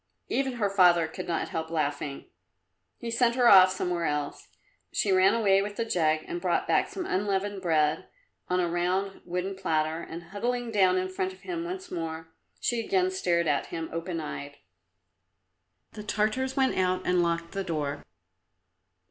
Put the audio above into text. Even her father could not help laughing. He sent her off somewhere else. She ran away with the jug and brought back some unleavened bread on a round wooden platter, and huddling down in front of him once more, she again stared at him open eyed. The Tartars went out and locked the door.